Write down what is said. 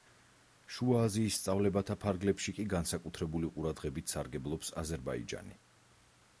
შუა აზიის სწავლებათა ფარგლებში კი განსაკუთრებული ყურადღებით სარგებლობს აზერბაიჯანი.